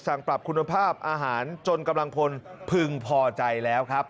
สั่งปรับคุณภาพอาหารจนกำลังพลพึงพอใจแล้วครับ